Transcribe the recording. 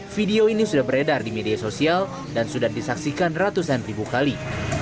video ini sudah beredar di media sosial dan sudah disaksikan ratusan ribu kali